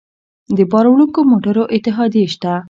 د بار وړونکو موټرو اتحادیې شته